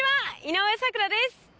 井上咲楽です。